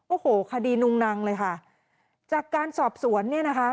โอ้โหคดีนุงนังเลยค่ะจากการสอบสวนเนี่ยนะคะ